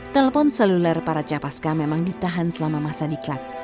telepon seluler para capaska memang ditahan selama masa diklat